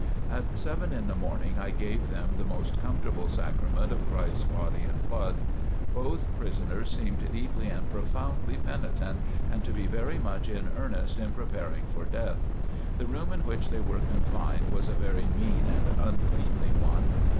At seven in the morning I gave them the most comfortable Sacrament of Christ's Body and Blood. Both prisoners seemed deeply and profoundly penitent and to be very much in earnest in preparing for death. The room in which they were confined was a very mean and uncleanly one.